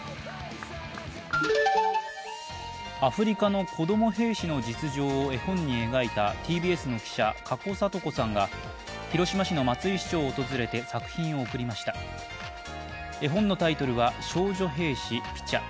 アフリカの子供兵士の実情を絵本に描いたＴＢＳの記者、加古紗都子さんが広島市の松井市長を訪れて作品を贈りました絵本のタイトルは「少女兵士ピチャ」。